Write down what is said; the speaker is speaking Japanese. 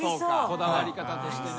こだわり方としてね。